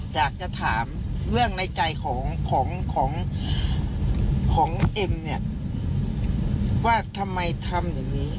อยากจะถามเรื่องในใจของของเอ็มเนี่ยว่าทำไมทำอย่างนี้